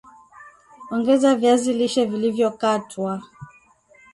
Ongeza viazi lishe vilivyokatwa